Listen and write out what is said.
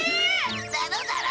だろだろ？